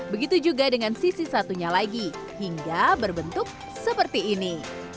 begitu juga dengan sisi satunya lagi hingga berbentuk seperti ini